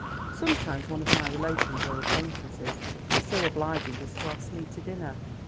Sometimes, one of my relations or acquaintances is so obliging as to ask me to dinner.